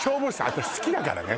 私好きだからね